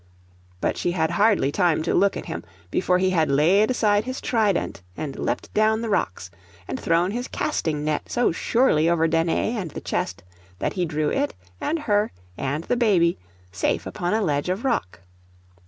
But she had hardly time to look at him, before he had laid aside his trident and leapt down the rocks, and thrown his casting net so surely over Danae and the chest, that he drew it, and her, and the baby, safe upon a ledge of rock.